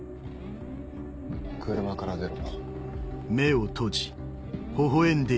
車から出ろ。